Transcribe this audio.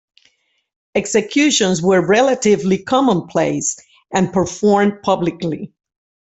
Executions were relatively commonplace, and performed publicly.